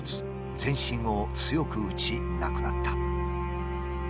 全身を強く打ち亡くなった。